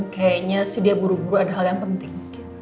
kayaknya sih dia buru buru ada hal yang penting